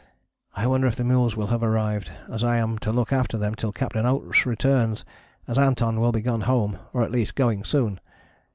I wonder if the mules will have arrived, as I am to look after them till Capt. Oates returns, as Anton will be gone home, or at least going soon.